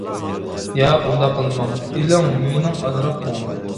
-ياق، ئۇنداق قىلماڭ. -ئېلىڭ، مېنىڭ ئازراق كۆڭلۈم.